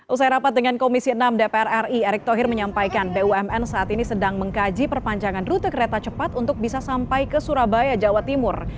usai rapat dengan komisi enam dpr ri erick thohir menyampaikan bumn saat ini sedang mengkaji perpanjangan rute kereta cepat untuk bisa sampai ke surabaya jawa timur